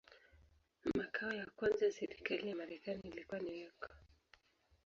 Makao ya kwanza ya serikali ya Marekani ilikuwa New York.